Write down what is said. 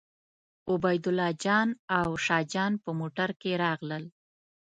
عبیدالله جان او شاه جان په موټر کې راغلل.